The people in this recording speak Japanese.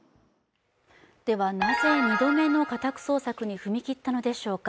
なぜ２度目の家宅捜索に踏み切ったのでしょうか。